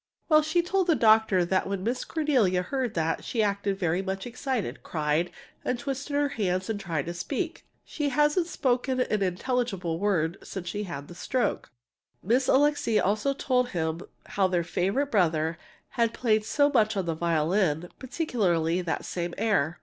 Well, she told the doctor that when Miss Cornelia heard that, she acted very much excited, cried, and twisted her hands and tried to speak. (She hasn't spoken an intelligible word since she had the "stroke.") Miss Alixe also told him how their favorite brother had played so much on the violin, particularly that same air.